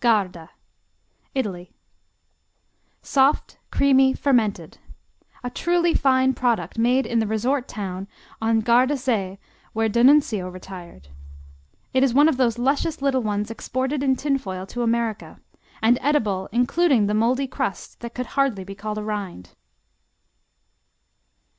Garda Italy Soft, creamy, fermented. A truly fine product made in the resort town on Gardasee where d'Annunzio retired. It is one of those luscious little ones exported in tin foil to America, and edible, including the moldy crust that could hardly be called a rind.